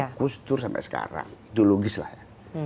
mbak wahab kustur sampai sekarang itu logis lah ya